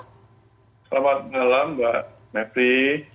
selamat malam mbak mepri